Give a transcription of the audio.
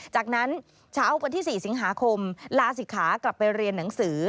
จากนั้นเช้าวันที่๔สิงหาคมลาศิกขากลับไปเรียนหนังสือ